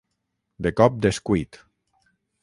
De cop descuit.